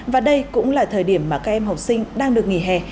và đây cũng là thời điểm mà các em học sinh đang được nghỉ hè